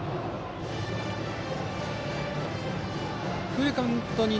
フルカウントです。